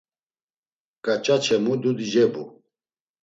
Ǩaç̌a Ç̌emu dudi cebu.